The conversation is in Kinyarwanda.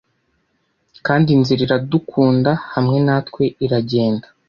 kandi inzira iradukunda hamwe natwe iragenda